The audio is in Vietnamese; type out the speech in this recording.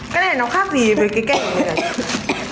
cái này nó khác gì với cái cây này